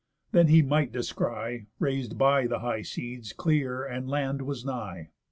Then he might descry, Rais'd by the high seas, clear, and land was nigh.